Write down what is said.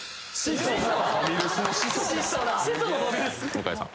向井さん